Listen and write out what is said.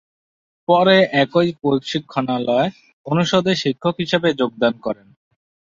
পরে একই প্রশিক্ষণালয় অনুষদে শিক্ষক হিসাবে যোগদান করেন।